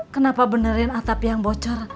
kenapa benerin atap yang bocor